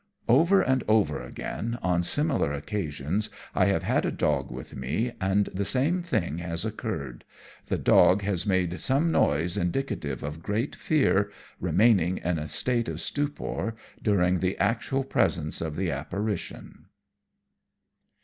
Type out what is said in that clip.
Over and over again, on similar occasions, I have had a dog with me, and the same thing has occurred the dog has made some noise indicative of great fear, remaining in a state of stupor during the actual presence of the apparition.